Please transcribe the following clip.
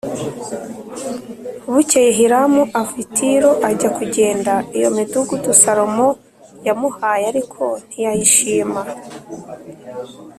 Bukeye Hiramu ava i Tiro ajya kugenda iyo midugudu Salomo yamuhaye, ariko ntiyayishima